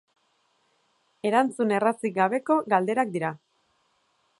Erantzun errazik gabeko galderak dira.